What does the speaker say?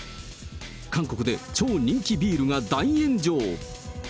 韓国で超人気ビールが大炎上。